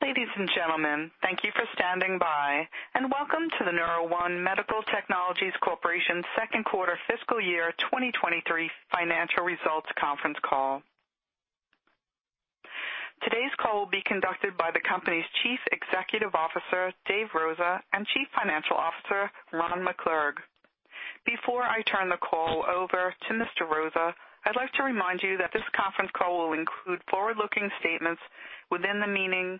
Ladies and gentlemen, thank thank you for standing by and welcome to the NeuroOne Medical Technologies Corporation Second Quarter Fiscal Year 2023 financial results conference call. Today's call will be conducted by the company's Chief Executive Officer, Dave Rosa, and Chief Financial Officer, Ron McClurg. Before I turn the call over to Mr. Rosa, I'd like to remind you that this conference call will include forward-looking statements within the meaning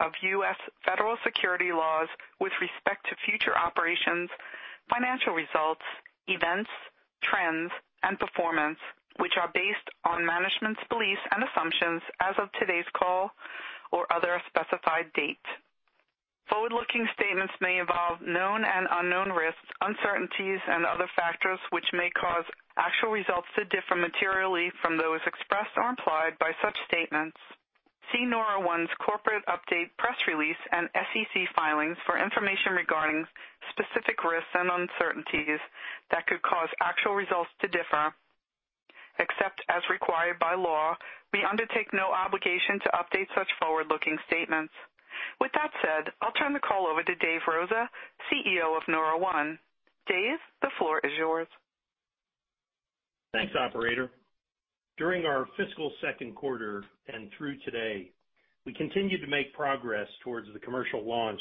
of U.S. federal security laws with respect to future operations, financial results, events, trends, and performance, which are based on management's beliefs and assumptions as of today's call or other specified dates. Forward-looking statements may involve known and unknown risks, uncertainties and other factors which may cause actual results to differ materially from those expressed or implied by such statements. See NeuroOne's corporate update, press release, and SEC filings for information regarding specific risks and uncertainties that could cause actual results to differ. Except as required by law, we undertake no obligation to update such forward-looking statements. With that said, I'll turn the call over to Dave Rosa, CEO of NeuroOne. Dave, the floor is yours. Thanks, operator. During our fiscal second quarter and through today, we continued to make progress towards the commercial launch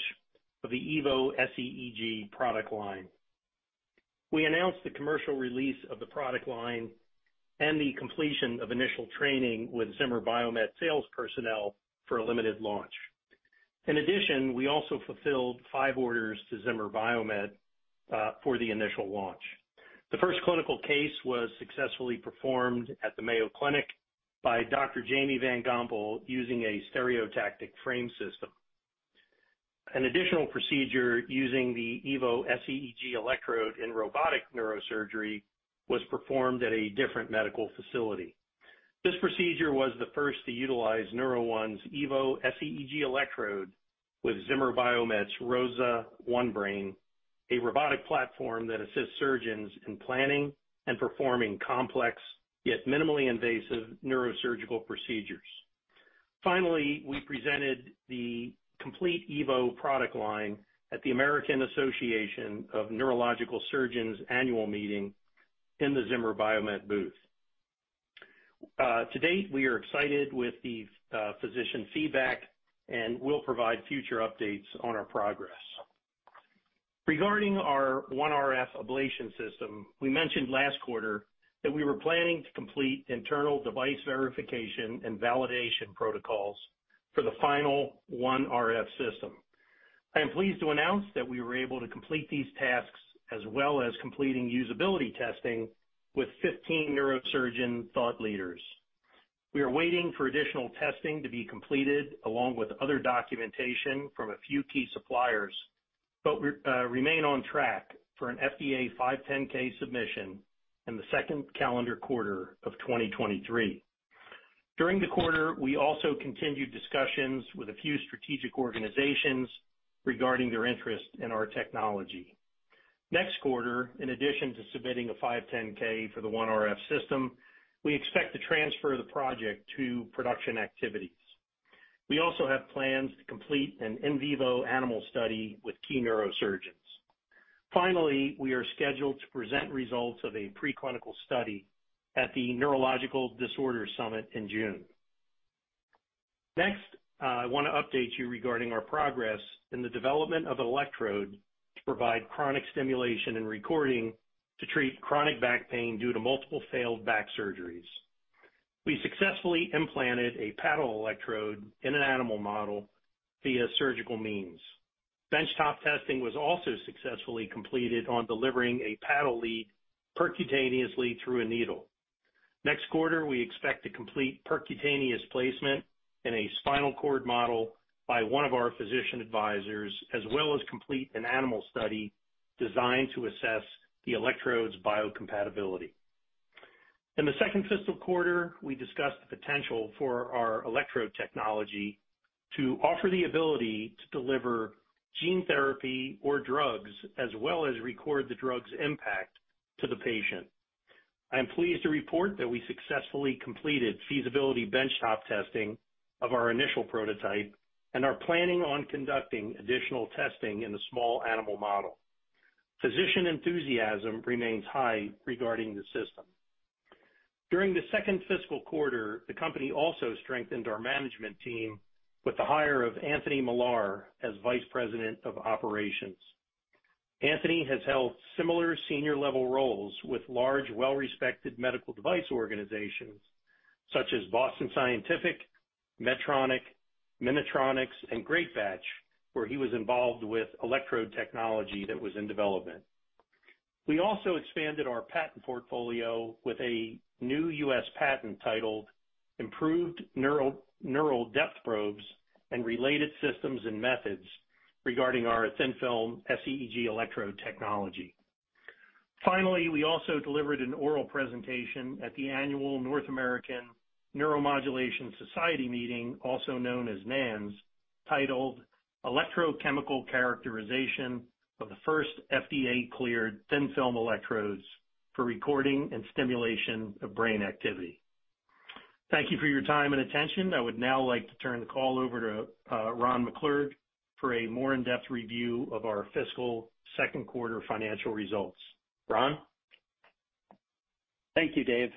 of the Evo sEEG product line. We announced the commercial release of the product line and the completion of initial training with Zimmer Biomet sales personnel for a limited launch. In addition, we also fulfilled five orders to Zimmer Biomet for the initial launch. The first clinical case was successfully performed at the Mayo Clinic by Dr. Jamie Van Gompel using a stereotactic frame system. An additional procedure using the Evo sEEG electrode in robotic neurosurgery was performed at a different medical facility. This procedure was the first to utilize NeuroOne's Evo sEEG electrode with Zimmer Biomet's ROSA ONE Brain, a robotic platform that assists surgeons in planning and performing complex yet minimally invasive neurosurgical procedures. Finally, we presented the complete Evo product line at the American Association of Neurological Surgeons annual meeting in the Zimmer Biomet booth. To date, we are excited with the physician feedback and will provide future updates on our progress. Regarding our OneRF ablation system, we mentioned last quarter that we were planning to complete internal device verification and validation protocols for the final OneRF system. I am pleased to announce that we were able to complete these tasks as well as completing usability testing with 15 neurosurgeon thought leaders. We are waiting for additional testing to be completed along with other documentation from a few key suppliers, but we remain on track for an FDA 510(k) submission in the second calendar quarter of 2023. During the quarter, we also continued discussions with a few strategic organizations regarding their interest in our technology. Next quarter, in addition to submitting a 510(k) for the OneRF System, we expect to transfer the project to production activities. We also have plans to complete an in vivo animal study with key neurosurgeons. Finally, we are scheduled to present results of a preclinical study at the Neurological Disorders Summit in June. Next, I want to update you regarding our progress in the development of an electrode to provide chronic stimulation and recording to treat chronic back pain due to multiple failed back surgeries. We successfully implanted a paddle electrode in an animal model via surgical means. Benchtop testing was also successfully completed on delivering a paddle lead percutaneously through a needle. Next quarter, we expect to complete percutaneous placement in a spinal cord model by one of our physician advisors, as well as complete an animal study designed to assess the electrode's biocompatibility. In the second fiscal quarter, we discussed the potential for our electrode technology to offer the ability to deliver gene therapy or drugs as well as record the drug's impact to the patient. I am pleased to report that we successfully completed feasibility benchtop testing of our initial prototype and are planning on conducting additional testing in a small animal model. Physician enthusiasm remains high regarding the system. During the second fiscal quarter, the company also strengthened our management team with the hire of Anthony Millar as Vice President of Operations. Anthony has held similar senior level roles with large, well-respected medical device organizations such as Boston Scientific, Medtronic, Minnetronix, and Greatbatch, where he was involved with electrode technology that was in development. We also expanded our patent portfolio with a new U.S. patent titled Improved Neural Depth Probes and Related Systems and Methods regarding our thin film sEEG electrode technology. Finally, we also delivered an oral presentation at the annual North American Neuromodulation Society meeting, also known as NANS, titled Electrochemical Characterization of the First FDA-Cleared Thin-Film Electrodes for recording and stimulation of brain activity. Thank you for your time and attention. I would now like to turn the call over to Ron McClurg for a more in-depth review of our fiscal second quarter financial results. Ron? Thank you, Dave.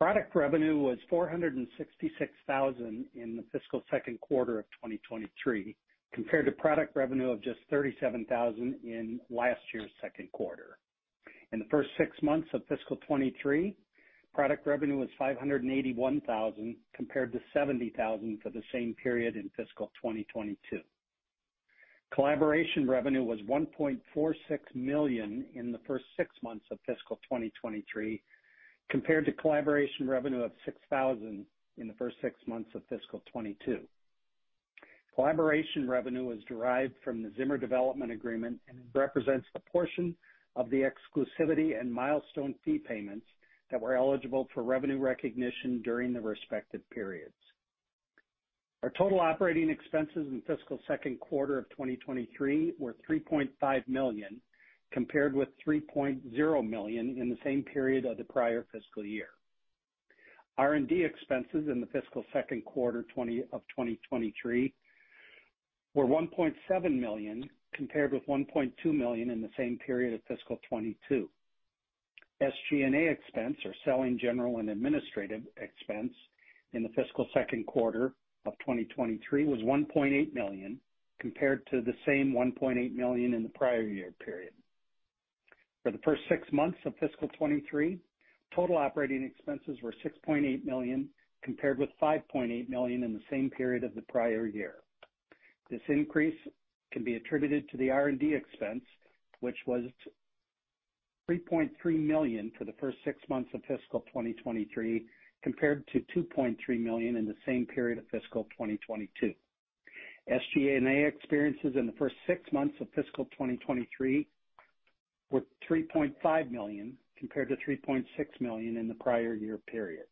Product revenue was $466,000 in the fiscal second quarter of 2023 compared to product revenue of just $37,000 in last year's second quarter. In the first six months of fiscal 2023, product revenue was $581,000 compared to $70,000 for the same period in fiscal 2022. Collaboration revenue was $1.46 million in the first six months of fiscal 2023 compared to collaboration revenue of $6,000 in the first six months of fiscal 2022. Collaboration revenue was derived from the Zimmer development agreement and represents a portion of the exclusivity and milestone fee payments that were eligible for revenue recognition during the respective periods. Our total operating expenses in fiscal second quarter of 2023 were $3.5 million compared with $3.0 million in the same period of the prior fiscal year. R&D expenses in the fiscal second quarter of 2023 were $1.7 million compared with $1.2 million in the same period of fiscal 2022. SG&A expense or selling general and administrative expense in the fiscal second quarter of 2023 was $1.8 million compared to the same $1.8 million in the prior year period. For the first six months of fiscal 2023, total operating expenses were $6.8 million compared with $5.8 million in the same period of the prior year. This increase can be attributed to the R&D expense, which was $3.3 million for the first six months of fiscal 2023 compared to $2.3 million in the same period of fiscal 2022. SG&A expenses in the first six months of fiscal 2023 were $3.5 million compared to $3.6 million in the prior year period.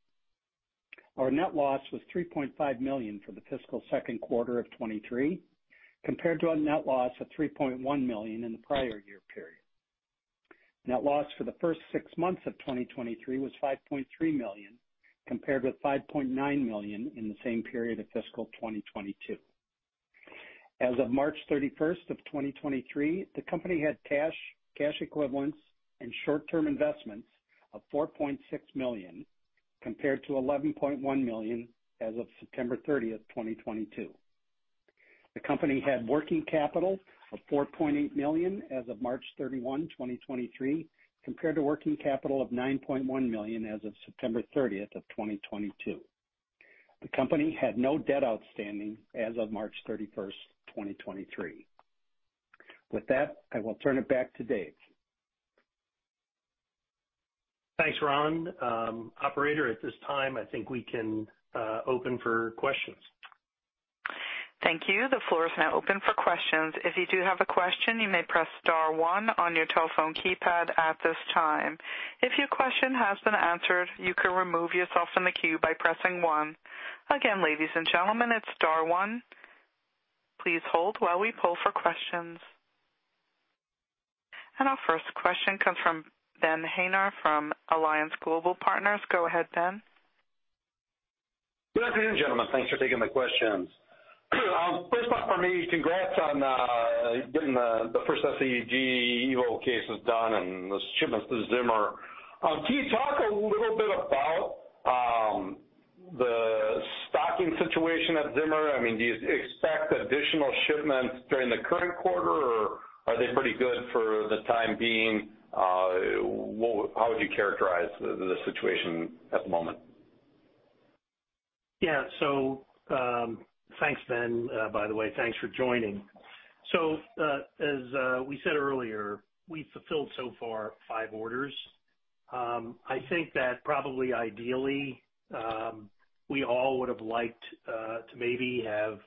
Our net loss was $3.5 million for the fiscal second quarter of 2023 compared to a net loss of $3.1 million in the prior year period. Net loss for the first six months of 2023 was $5.3 million compared with $5.9 million in the same period of fiscal 2022. As of March 31st, 2023, the company had cash equivalents and short-term investments of $4.6 million compared to $11.1 million as of September 30th, 2022. The company had working capital of $4.8 million as of March 31st, 2023 compared to working capital of $9.1 million as of September 30th, 2022. The company had no debt outstanding as of March 31st, 2023. With that, I will turn it back to Dave. Thanks, Ron. operator, at this time, I think we can open for questions. Thank you. The floor is now open for questions. If you do have a question, you may press star one on your telephone keypad at this time. If your question has been answered, you can remove yourself from the queue by pressing one. Again, ladies and gentlemen, it's star one. Please hold while we pull for questions. Our first question comes from Ben Haynor from Alliance Global Partners. Go ahead, Ben. Good afternoon, gentlemen. Thanks for taking the questions. First off for me, congrats on getting the first sEEG Evo cases done and the shipments to Zimmer. Can you talk a little bit about the stocking situation at Zimmer? I mean, do you expect additional shipments during the current quarter, or are they pretty good for the time being? How would you characterize the situation at the moment? Thanks, Ben Haynor. By the way, thanks for joining. As we said earlier, we fulfilled so far five orders. I think that probably ideally, we all would have liked to maybe have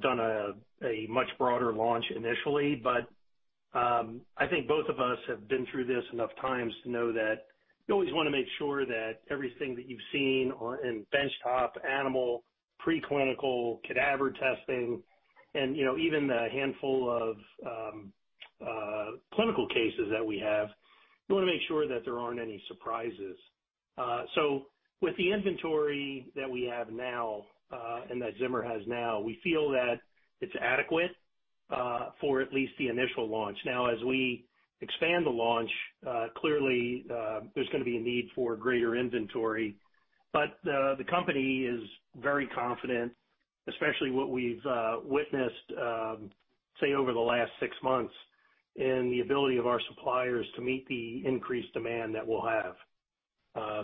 done a much broader launch initially. I think both of us have been through this enough times to know that you always wanna make sure that everything that you've seen in benchtop, animal, preclinical, cadaver testing, and, you know, even the handful of clinical cases that we have, you wanna make sure that there aren't any surprises. With the inventory that we have now, and that Zimmer has now, we feel that it's adequate for at least the initial launch. As we expand the launch, clearly, there's gonna be a need for greater inventory. The company is very confident, especially what we've witnessed, say, over the last 6 months in the ability of our suppliers to meet the increased demand that we'll have.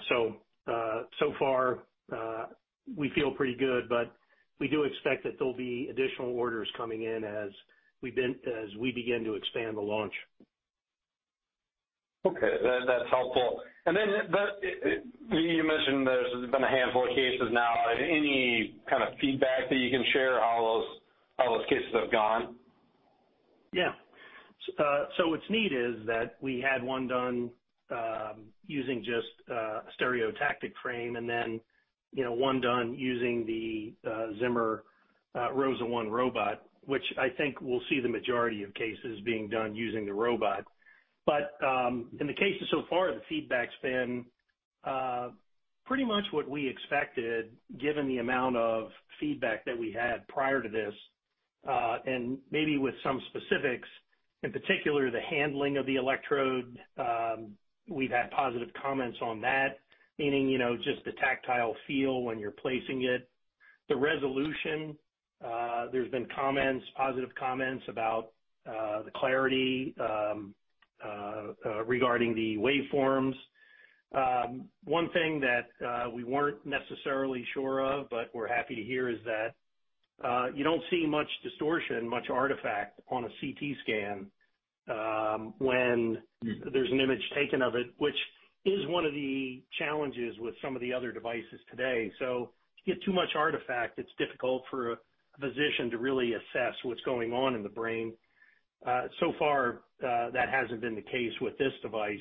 So far, we feel pretty good, but we do expect that there'll be additional orders coming in as we begin to expand the launch. Okay. That's helpful. Then you mentioned there's been a handful of cases now. Any kind of feedback that you can share how those cases have gone? What's neat is that we had one done using just a stereotactic frame and then, you know, one done using the Zimmer ROSA ONE robot, which I think will see the majority of cases being done using the robot. In the cases so far, the feedback's been pretty much what we expected given the amount of feedback that we had prior to this, and maybe with some specifics. In particular, the handling of the electrode, we've had positive comments on that, meaning, you know, just the tactile feel when you're placing it. The resolution, there's been comments, positive comments about the clarity regarding the waveforms. One thing that we weren't necessarily sure of, but we're happy to hear is that you don't see much distortion, much artifact on a CT scan when there's an image taken of it, which is one of the challenges with some of the other devices today. If you get too much artifact, it's difficult for a physician to really assess what's going on in the brain. So far, that hasn't been the case with this device.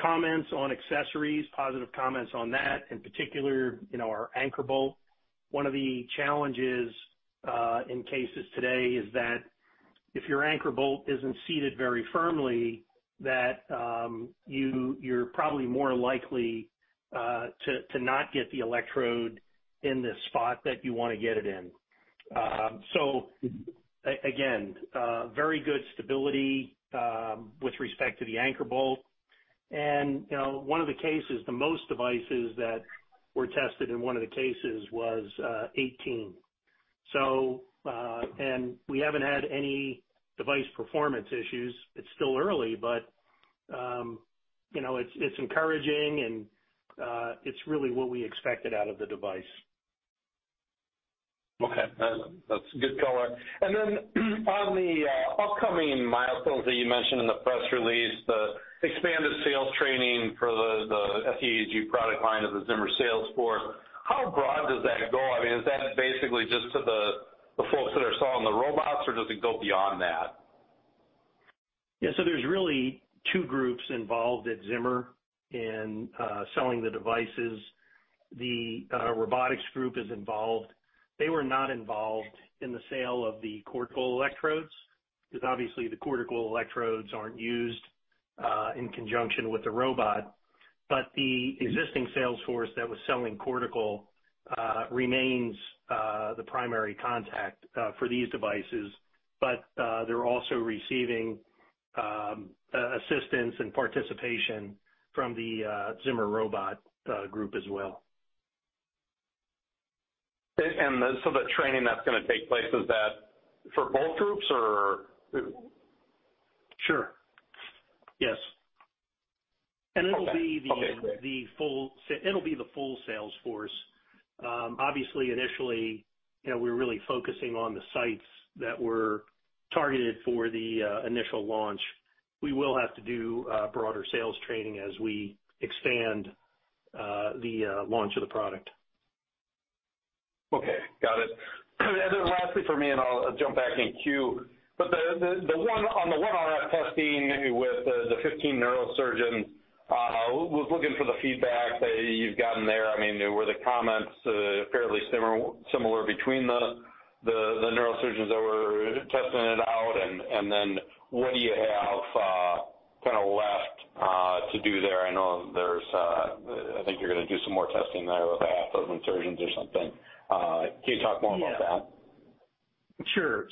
Comments on accessories, positive comments on that, in particular, you know, our anchor bolt. One of the challenges in cases today is that if your anchor bolt isn't seated very firmly, that you're probably more likely to not get the electrode in the spot that you wanna get it in. Again, very good stability with respect to the anchor bolt. You know, one of the cases, the most devices that were tested in one of the cases was 18. We haven't had any device performance issues. It's still early, but, you know, it's encouraging and, it's really what we expected out of the device. Okay. That's good color. Then on the upcoming milestones that you mentioned in the press release, the expanded sales training for the sEEG product line of the Zimmer sales force, how broad does that go? I mean, is that basically just to the folks that are selling the robots or does it go beyond that? Yeah. There's really two groups involved at Zimmer in selling the devices. The robotics group is involved. They were not involved in the sale of the cortical electrodes, because obviously the cortical electrodes aren't used in conjunction with the robot. The existing sales force that was selling cortical remains the primary contact for these devices. They're also receiving assistance and participation from the Zimmer robot group as well. The training that's going to take place, is that for both groups or? Sure. Yes. Okay. It'll be the full sales force. Obviously initially, you know, we're really focusing on the sites that were targeted for the initial launch. We will have to do broader sales training as we expand the launch of the product. Okay, got it. Lastly for me, and I'll jump back in queue, but on the OneRF testing with the 15 neurosurgeons, was looking for the feedback that you've gotten there. I mean, were the comments fairly similar between the neurosurgeons that were testing it out? Then what do you have kinda left to do there? I know there's, I think you're gonna do some more testing there with half those neurosurgeons or something. Can you talk more about that? Yeah. Sure.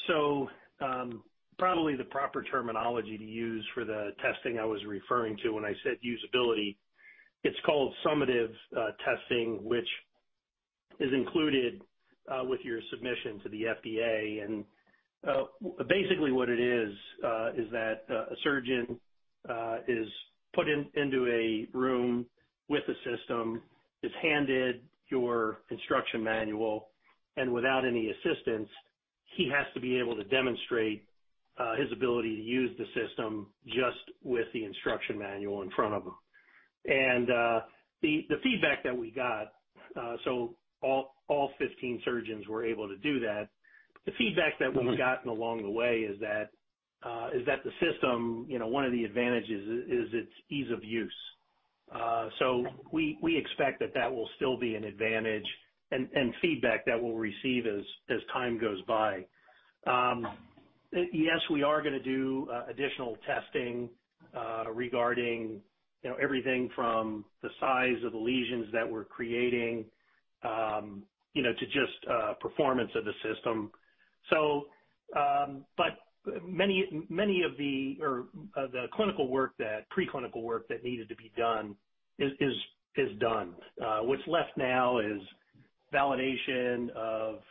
Probably the proper terminology to use for the testing I was referring to when I said usability, it's called summative testing, which is included with your submission to the FDA. Basically what it is is that a surgeon is put into a room with a system, is handed your instruction manual, and without any assistance, he has to be able to demonstrate his ability to use the system just with the instruction manual in front of him. The feedback that we got, so all 15 surgeons were able to do that. The feedback that we've gotten along the way is that the system, you know, one of the advantages is its ease of use. We, we expect that will still be an advantage and feedback that we'll receive as time goes by. Yes, we are gonna do additional testing regarding, you know, everything from the size of the lesions that we're creating, you know, to just performance of the system. Many of the or the clinical work that preclinical work that needed to be done is done. What's left now is validation of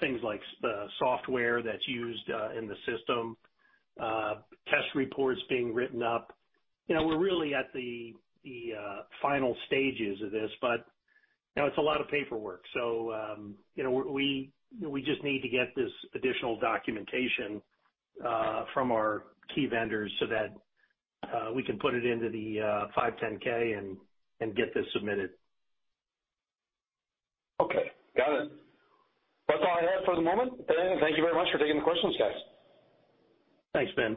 things like the software that's used in the system, test reports being written up. You know, we're really at the final stages of this, but, you know, it's a lot of paperwork. you know, we just need to get this additional documentation from our key vendors so that we can put it into the 510(k) and get this submitted. Okay, got it. That's all I have for the moment. Ben, thank you very much for taking the questions, guys. Thanks, Ben.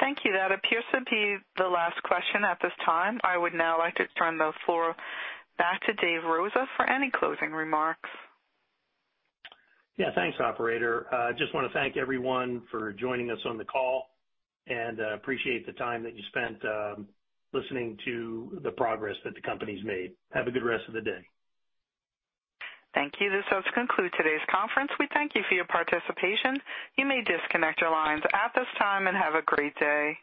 Thank you. That appears to be the last question at this time. I would now like to turn the floor back to Dave Rosa for any closing remarks. Yeah, thanks, operator. Just wanna thank everyone for joining us on the call and appreciate the time that you spent listening to the progress that the company's made. Have a good rest of the day. Thank you. This does conclude today's conference. We thank you for your participation. You may disconnect your lines at this time and have a great day.